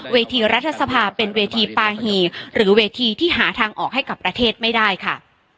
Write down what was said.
เวทีรัฐสภาเป็นเวทีปาหีหรือเวทีที่หาทางออกให้กับประเทศไม่ได้ค่ะ